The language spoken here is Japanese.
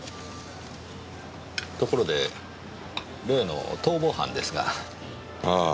ところで例の逃亡犯ですが。